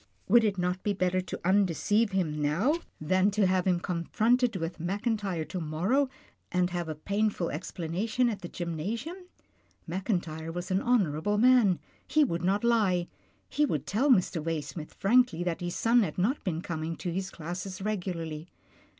Would it not be better to undeceive him now than to have him con HIS ONLY SON 73 fronted with Mackintyre to morrow, and have a painful explanation at the gymnasium? Mackin tyre was an honourable man. He would not lie, he would tell Mr. Waysmith frankly that his son had not been coming to his classes regularly.